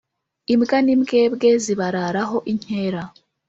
Imbwa n'imbwebwe zibararaho inkera